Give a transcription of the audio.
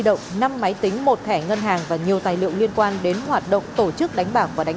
động năm máy tính một thẻ ngân hàng và nhiều tài liệu liên quan đến hoạt động tổ chức đánh bạc và đánh